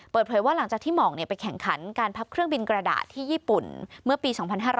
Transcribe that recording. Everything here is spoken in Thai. เปิดเผยว่าหลังจากที่หมองไปแข่งขันการพับเครื่องบินกระดาษที่ญี่ปุ่นเมื่อปี๒๕๕๙